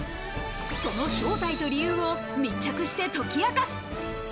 その正体と理由を密着して解き明かす。